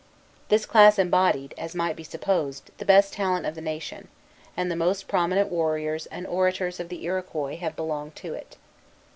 This class embodied, as might be supposed, the best talent of the nation, and the most prominent warriors and orators of the Iroquois have belonged to it.